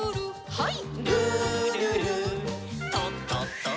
はい。